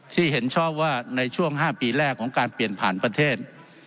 เห็นชอบว่าในช่วง๕ปีแรกของการเปลี่ยนผ่านประเทศ